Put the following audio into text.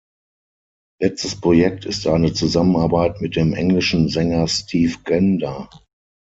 Letztes Projekt ist eine Zusammenarbeit mit dem Englischen Sänger Steve Gander.